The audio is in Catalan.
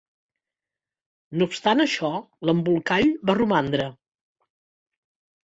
No obstant això, l'embolcall va romandre.